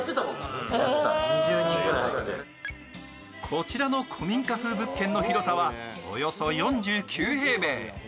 こちらの古民家風物件の広さはおよそ４９平米。